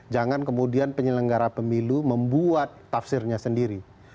jangan kemudian penyelenggara pemilu membuat tafsirnya sendiri